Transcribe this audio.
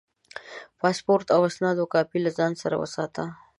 د پاسپورټ او اسنادو کاپي له ځان سره وساته.